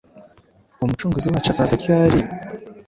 Umucunguzi wacu azaza ryari?